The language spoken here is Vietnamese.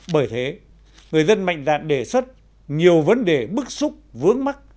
bởi thế người dân mạnh dạn đề xuất nhiều vấn đề bức xúc vướng mắt